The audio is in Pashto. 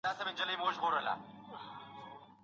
ایا د علمي څېړني لپاره د ارام ذهن درلودل اړین دي؟